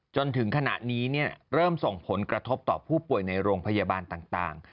จนถึงขณะนี้เริ่มส่งผลกระทบต่อผู้ป่วยในโรงพยาบาลต่าง